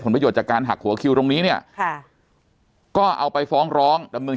ประโยชน์จากการหักหัวคิวตรงนี้เนี่ยค่ะก็เอาไปฟ้องร้องดำเนิน